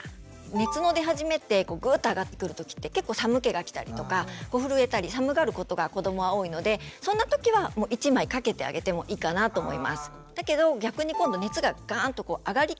熱の出始めってグーッと上がってくる時って結構寒気がきたりとか震えたり寒がることが子どもは多いのでそんな時は１枚かけてあげてもいいかなと思います。